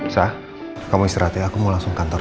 sa kamu istirahat ya aku mau langsung ke kantor